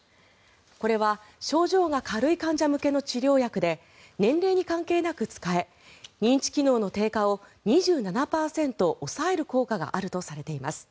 これは症状が軽い患者向けの治療薬で年齢に関係なく使え認知機能の低下を２７％抑える効果があるとされています。